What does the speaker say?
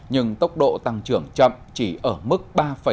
nhưng tốc độ tăng trưởng chậm chỉ ở mức ba một mươi ba